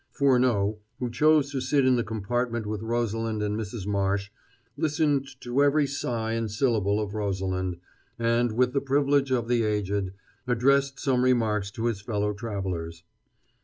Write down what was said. Furneaux, who chose to sit in the compartment with Rosalind and Mrs. Marsh, listened to every sigh and syllable of Rosalind, and, with the privilege of the aged, addressed some remarks to his fellow travelers.